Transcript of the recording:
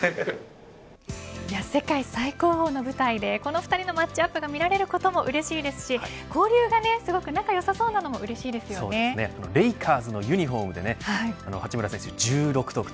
世界最高峰の舞台でこの２人のマッチアップが見られることもうれしいですし交流が仲良さそうなのもレイカーズのユニホームで八村選手１６得点。